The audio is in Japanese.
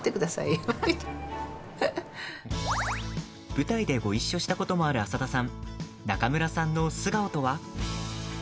舞台でごいっしょしたこともある浅田さん中村さんの素顔とは？